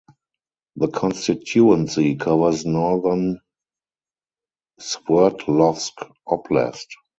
The constituency covers northern Sverdlovsk Oblast.